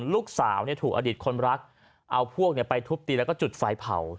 ลูกสาวถูกอดีตคนรักเอาพวกไปทุบตีแล้วก็จุดไฟเผา